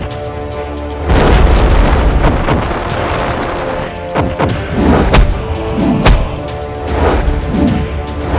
aku harus membantu raden dan kita